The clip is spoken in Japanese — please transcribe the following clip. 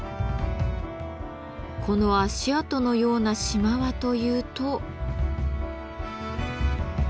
この足跡のような島はというと。